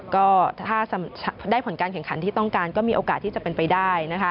ก็ถ้าได้ผลการแข่งขันที่ต้องการก็มีโอกาสที่จะเป็นไปได้นะคะ